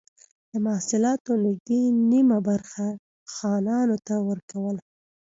د محصولاتو نږدې نییمه برخه خانانو ته ورکوله.